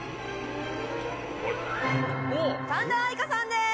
神田愛花さんです！